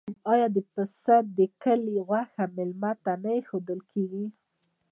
آیا د پسه د کلي غوښه میلمه ته نه ایښودل کیږي؟